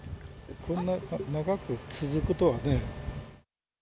こんな長く続くとはね。